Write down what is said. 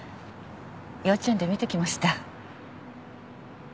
幼稚園で見てきました。